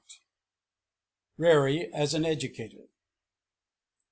RAREY AS AN EDUCATOR.